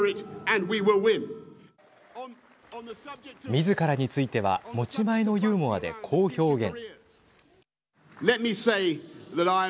みずからについては持ち前のユーモアで、こう表現。